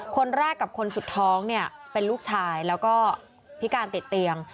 คนแรกกับคนสุดท้องเนี่ยเป็นลูกชายแล้วก็พิการติดเตียง